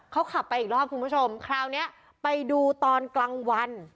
เขาขับไปอีกรอบคุณผู้ชมคราวนี้ไปดูตอนกลางวัน